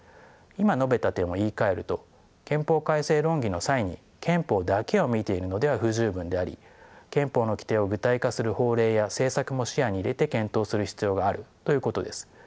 今述べた点を言いかえると憲法改正論議の際に憲法だけを見ているのでは不十分であり憲法の規定を具体化する法令や政策も視野に入れて検討する必要があるということです。